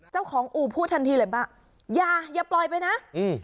เจ้าของอู่พูดทันทีเลยบ้างอย่าอย่าปล่อยไปนะอืม